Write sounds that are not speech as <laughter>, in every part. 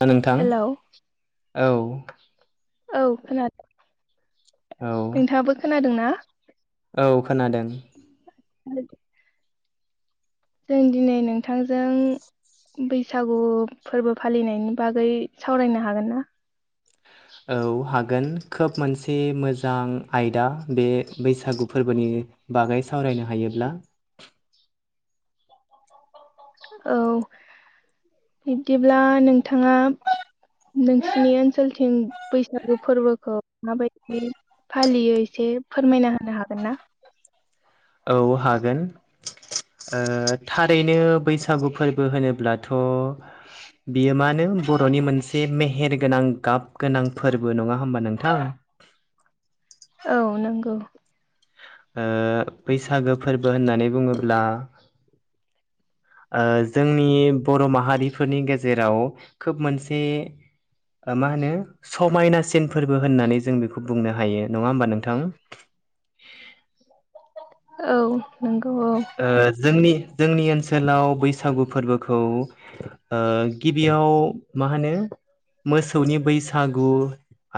-नोंथां हेलौ औ औ खोनादों औ नोंथाङाबो खोनादों ना? औ खोनादों। <inaudible> जों दिनै नोंथांजों बैसागु फोरबो फालिनायनि बागै सावरायनो हागोन ना औ हागोन खोब मोनसे मोजां आयदा बे बैसागु फोरबोनि बागै सावरायनो हायोब्ला औ बिब्दिब्ला नोंथाङा नोंसिनि ओनसोलथिं बैसागु फोरबोखौ माबायदि फालियो एसे फोरमायना होनो हागोन ना? औ हागोन। ओ थारैनो बैसागु फोरबो होनोब्लाथ बियो मा नो बर नि मोनसे मेहेरगोनां गाब गोनां फोरबो नङा होमबा नोंथां औ नंगौ ओ बैसागो फोरबो होननानै बुङोब्ला ओ जोंनि बर माहारिफोरनि गेजेराव खोब मोनसे ओ मा होनो समायनासिन फोरबो होननानै जों बेखौ बुंनो हायो नङा होमबा नोंथां औ नंगौ औ ओ जोंनि जोंनि ओनसोलाव बैसागु फोरबोखौ ओ गिबियाव मा होनो मोसौनि बैसागु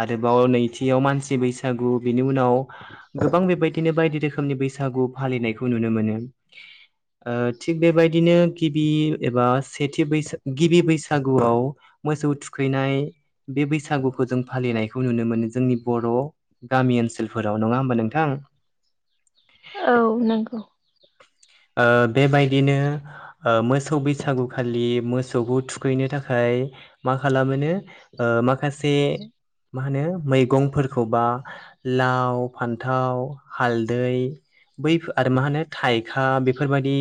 आरोबाव नैथियाव मानसि बैसागु बिनि उनाव गोबां बेबायदिनो बायदि रोखोमनि बैसागु फालिनायखौ नुनो मोनो ओ थिग बेबायदिनो गिबि एबा सेथि बैस गिबि बैसागुआव मोसौ थुखैनाय बे बैसागुखौ जों फालिनायखौ नुनो मोनो जोंनि बर गामि ओनसोलफोराव नङा होमबा नोंथां औ नंगौ ओ बेबायदिनो। ओ मोसौ बैसागुखालि मोसौखौ थुखैनो थाखाय मा खालामोनो। ओ माखासे मा होनो मैगंफोरखौ बा। लाव फान्थाव हालदै बै आरो मा होनो। थाइखा बेफोरबायदि।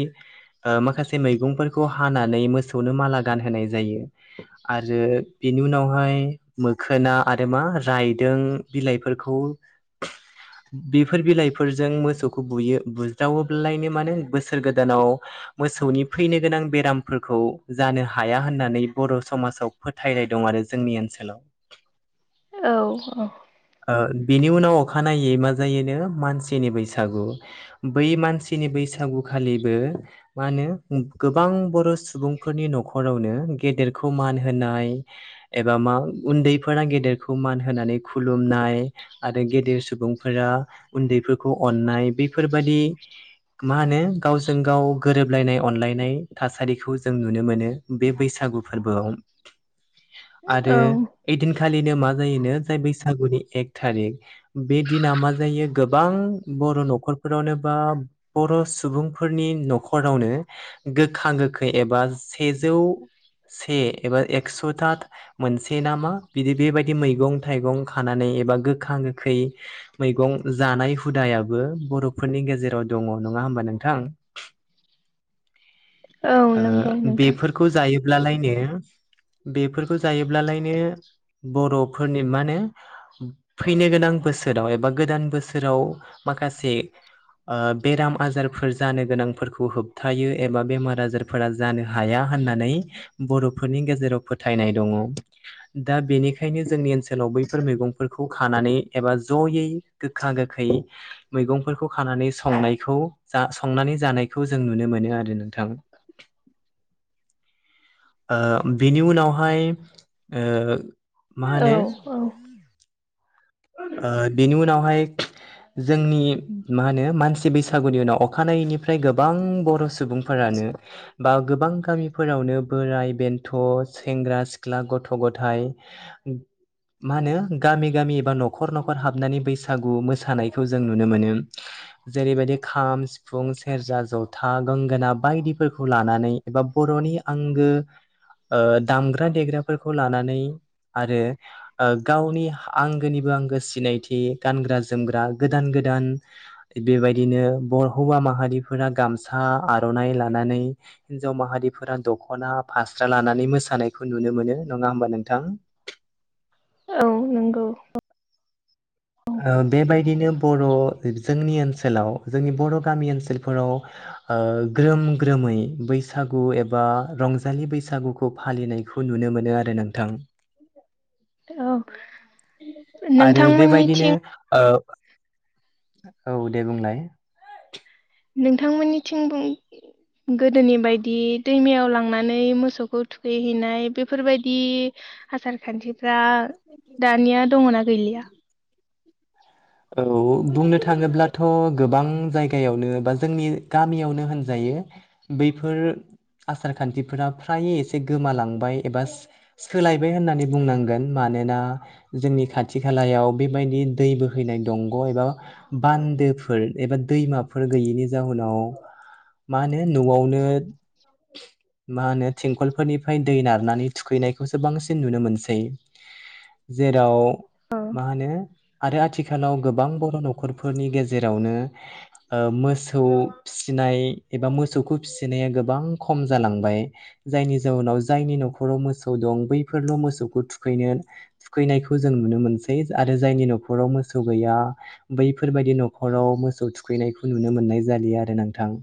ओ माखासे मैगंफोरखौ हानानै मोसौनो माला गानहोनाय जायो। आरो बेनि उनावहाय मोखोना आरो मा रायदों बिलाइफोरखौ। बेफोर बिलाइफोरजों मोसौखौ बुयो बुज्रावो। लायनि माने बोसोर गोदानाव मोसौनि फैनो गोनां बेरामफोरखौ जानो हाया होननानै बर' समाजाव फोथायनाय दं आरो जोंनि ओनसोलाव। औ औ। ओ बिनि उनाव अखानायै मा जायोनो मानसिनि बैसागु। बै मानसिनि बैसागु खालिबो मा होनो गोबां बर' सुबुंफोरनि न'खरावनो गेदेरखौ मान होनाय एबा मा उन्दैफोरा गेदेरखौ मान होनानै खुलुमनाय आरो गेदेर सुबुंफोरा उन्दैफोरखौ अननाय बेफोरबादि मा होनो गावजों गाव गोरोबलायनाय अनलायनाय थासारिखौ जों नुनो मोनो बे बैसागु फोरबोआव। आरो औ ओइदिनखालिनो मा जायोनो जाय बै सागुनि एक थारिख बे दिना मा जायो गोबां बर' न'खरफोरावनो बा बर' सुबुंफोरनि न'खरावनो गोखा गोखै एबा सेजौ से एबा एक्स'था मोनसे नामा बिदि बेबायदि मैगं थाइगं खानानै एबा गोखा गोखै मैगं जानाय हुदायाबो बर'फोरनि गेजेराव दङ नङा होमबा नोंथां? औ नंगौ ओ नोंथां बेफोरखौ जायोब्लालायनो बेफोरखौ जायोब्लालायनो बर'फोरनि मा होनो फैनो गोनां बोसोराव एबा गोदान बोसोराव माखासे ओ बेराम आजारफोर जानो गोनांफोरखौ होबथायो एबा बेमार आजार फोरा जानो हाया होननानै बर'फोरनि गेजेराव फोथायनाय दङ। दा बेनिखायनो जोंनि ओनसोलाव बै बेफोर मैगंफोरखौ खानानै एबा जयै गोखा गोखै मैगंफोरखौ खानानै संनायखौ जा संनानै जानायखौ जों नुनो मोनो आरो नोंथां। ओ बिनि उनावहाय ओ मा होनो औ औ। ओ बेनि उनावहाय जोंनि मा होनो मानसि बैसागुनि उनाव अखानायैनिफ्राय गोबां बर' सुबुंफोरानो बा गोबां गामिफोरावनो बोराय बेन्थ' सेंग्रा सिख्ला गथ' गथाइ मा होनो गामि गामि बा न'खर न'खर हाबनानै बैसागु मोसानायखौ जों नुनो मोनो। जेरैबायदि खाम, सिफुं, सेरजा, जथा, गंगोना, बायदिफोरखौ लानानै एबा बर'नि आंगो ओ दामग्रा देग्राफोरखौ लानानै आरो ओ गावनि आं गोनिबो आंगो सिनायथि गानग्रा जोमग्रा गोदान गोदान बेबायदिनो ब हौवा माहारिफोरा गामसा आर'नाइ लानानै‌ हिन्जाव माहारिफोरा दख'ना फास्रा लानानै मोसानायखौ नुनो मोनो नङा होमबा नोंथां? औ नंगौ। औ बेबायदिनो बर' जोंनि ओनसोलाव जोंनि बर' गामि ओनसोलफोराव ओ ग्रोम ग्रोमै बैसागु एबा रंजालि बैसागुखौ फालिनाय खौ नुनो मोनो आरो नोंथां। औ। आरो बेबायदिनो नोंथांमोननिथिं ओ औ दे बुंलाय। नोंथांमोननिथिं बुं गोदोनि बायदि दैमायाव लांनानै मोसौखौ थुखैहैनाय बेफोरबायदि आसार खानथिफ्रा दानिया दङना गैलिया? औ बुंनो थाङोब्लाथ' गोबां जायगायावनो बा जोंनि गामियावनो होनजायो बैफोर आसार खान्थिफोरा फ्राय एसे गोमालांबाय एबा सोलायबाय होननानै बुंनांगोन मानोना जोंनि खाथि खालायाव बेबायदि दैबो फैनाय दंग एबा बान्दोफोर एबा दैमाफोर गैयैनि जाउनाव मा होनो न'आवनो मा होनो थिंखलफोरनिफ्राय दै नारनानै थुखैनायखौसो बांसिन नुनो मोनसै जेराव औ मा होनो आरो आथि आथिखालाव गोबां बर न'खरफोरनि गेजेरावनो ओ मोसौ फिसिनाय एबा मोसौखौ फिसिनाया गोबां खम जालांबाय जायनि जाउनाव जायनि नखराव मोसौ दं बैफोरल' मोसौखौ थुखैनो थुखैनायखौ जों नुनो मोनसै आरो जायनि नखराव मो मोसौ गैया बैफोरबायदि नखराव मोसौ थुखैनायखौ नुनो मोननाय जालिया आरो नोंथां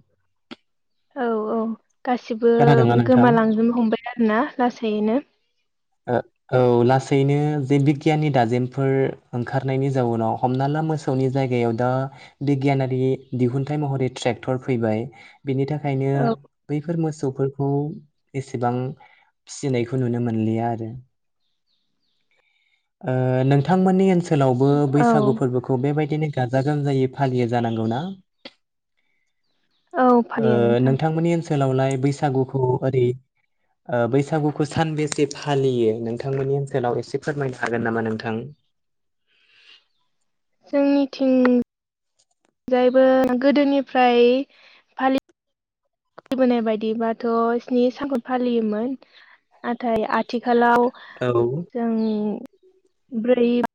औ औ गासिबो खोनादोंना नोंथां गोमालांजोबनो हमबाय आरोना लासैनो ओ औ लासैनो जे बिगियाननि दाजेनफोर ओंखारनायनि जाउनाव हमना ला मोसौनि जायगायाव दा बिगियानारि दिहुनथाइ महरै ट्रेक्टर फैबाय बिनि थाखायनो औ बेफोर मोसौफोरखौ एसेबां फिसिनायखौ नुनो मोनलिया आरो ओ नोंथांमोननि ओनसोलावबो औ बैसागु फोरबो खौ बेबायदिनो गाजा गोमजायै फालियो जानांगौ ना? औ ओ फालियो नोंथां नोंथांमोननि ओनसोलावलाय बैसागुखौ ओरै ओ बैसागुखौ सानबेसे फालियो नोंथांमोननि ओनसोलाव एसे फोरमायनो हागोन नामा नोंथां? जोंनिथिं जायबो गोदोनिफ्राय फालि बोनाय बायदिबाथ' स्नि सानखौ फालियोमोन नाथाय आथिखालाव औ जों ब्रै <unintelligible>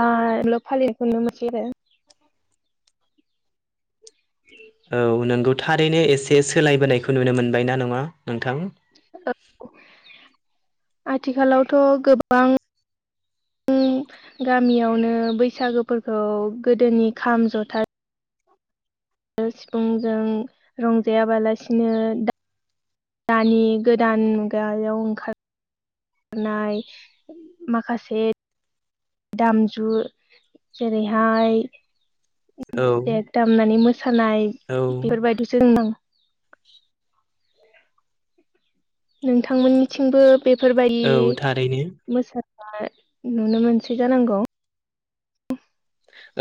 बाल' फालिनायखौ नुनो मोनसै आरो <unintelligible> औ नोंगौ थारैनो एसे सोलायबोनायखौ नुनो मोनबाय ना नङा नोंथां औ आथिखालावथ' गोबां उम गामियावनो बैसागोफोरखौ गोदोनि खाम जथा सिफुंजों रंजायाबालासिनो दा दानि गोदान मुगायाव ओंखार नाय माखासे दामजु जेरैहाय औ देग दामनानै मोसानाय औ बेफोरबायदिसो जों <unintelligible> नोंथांमोननिथिंबो बेफोरबायदि औ थारैनो मोसा नाय नुनो मोनसै जानांगौ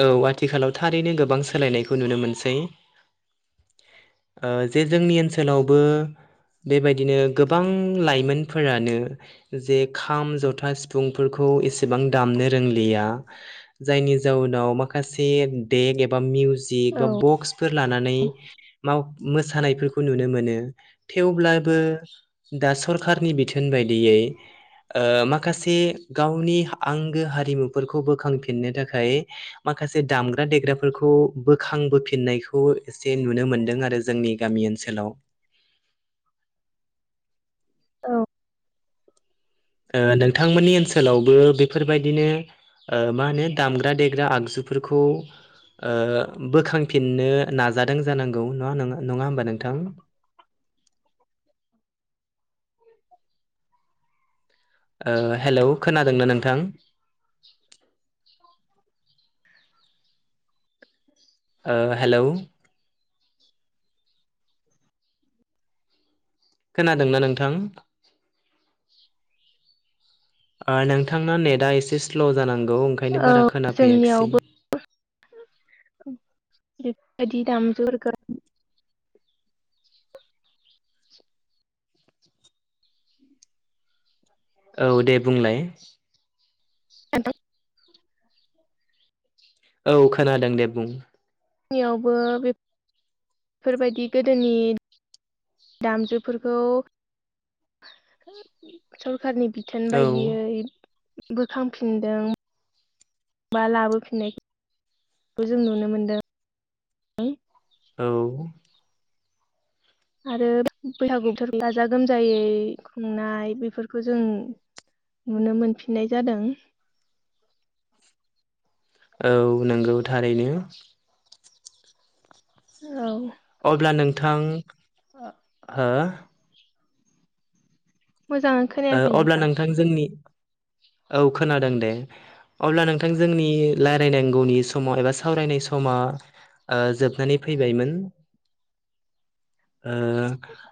औ आथिखालाव थारैनो गोबां सोलायनायखौ नुनो मोनसै। ओ जे जोंनि ओनसोलावबो बेबायदिनो गोबां लाइमोनफोरानो जे खाम जथा सिफुंफोरखौ एसेबां दामनो रोंलिया जायनि जाउनाव माखासे देक एबा मिउजिक औ बा बक्स फोर लानानै माव मोसानायफोरखौ नुनो मोनो थेवब्लाबो दा सरखारनि बिथोन बायदियै ओ माखासे गावनि आंगो हारिमुफोरखौ बोखांफिननो थाखाय माखासे दामग्रा देग्राफोरखौ बोखां बोफिननायखौ एसे नुनो मोन्दों आरो जोंनि गामि ओनसोलाव। औ ओ नोंथांमोननि ओनसोलावबो बेफोरबायदिनो ओ मा होनो दामग्रा देग्रा आगजुफोरखौ ओ बोखांफिननो नाजादों जानांगौ नङा नङा होमबा नोंथां। ओ हेलौ खोनादोंना नोंथां? ओ हेलौ। खोनादोंना नोंथां? ओ नोंथांना नेटआ एसे स्ल' जानांगौ ओंखायनो बारा खोनाफैयाखिसै। दि दामजुफोरखो औ दे बुंलाय। <inaudible> औ खोनादों दे बुं। निआवबो बे बेफोरबायदि गोदोनि दामजुफोरखौ। सरखारनि बिथोन औ बायदियै बोखांफिनदों। बा लाबोफिननायखौ जों नुनो मोनदों। औ। आरो बैसागु बोथोर गाजा गोमजायै खुंनाय बेफोरखौ जों नुनो मोनफिननाय जादों। औ नंगौ थारैनो। औ। अब्ला नोंथां हो? मोजां ओ अब्ला नोंथां जोंनि औ खोनादों दे। अब्ला नोंथां जोंनि लायरायनांगौनि समाव एबा सावरायनाय समा ओ जोबनानै फैबायमोन। ओ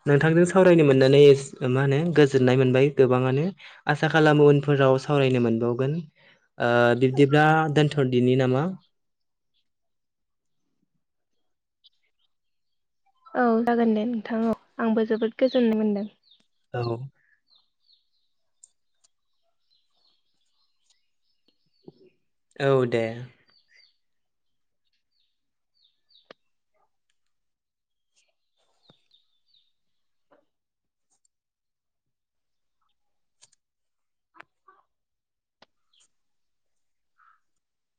नोंथांजों सावरायनो मोननानै मा होनो गोजोननाय मोन बाय गोबाङानो आसा खालामो उनफोराव सावरायनो मोनबावगोन। ओ बिब्दिब्ला दोनथ'दिनि नामा। औ जागोन दे नोंथां औ आंबो जोबोद गोजोननाय मोनदों। औ। औ दे।